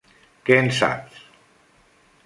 Què en saps?